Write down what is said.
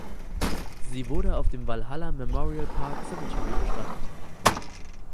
Sie wurde auf dem Valhalla Memorial Park Cemetery bestattet.